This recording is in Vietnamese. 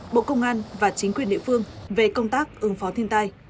bộ công an và chính quyền địa phương về công tác ứng phó thiên tai